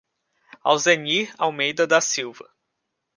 Alzenir Almeida da Silva